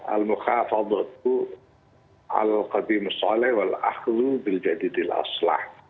al mukhaf al bautu al qadimu soleh wal akhlu biljadidil aslah